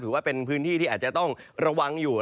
ถือว่าเป็นพื้นที่ที่อาจจะต้องระวังอยู่